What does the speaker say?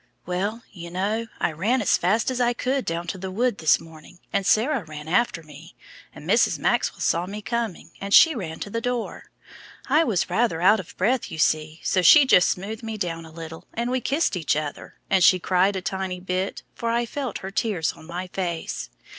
"Well, you know, I ran as fast as I could down to the wood this morning, and Sarah ran after me, and Mrs. Maxwell saw me coming and she ran to the door. I was rather out of breath, you see, so she just smoothed me down a little, and we kissed each other, and she cried a tiny bit, for I felt her tears on my face.